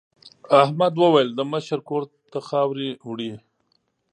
احمد وویل د مشر کور ته خاورې وړي.